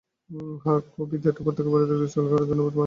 হ্যা, copy that উপত্যকায় পরিত্যক্ত স্কুলঘরে ধন্যবাদ, বানজি।